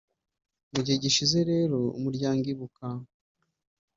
mu gihe gishize rero umuryango Ibuka